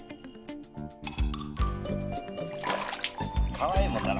かわいいもんだな。